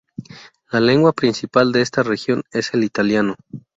La lengua principal de esta región es el italiano.